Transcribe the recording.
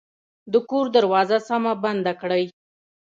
د کور دروازه سمه بنده کړئ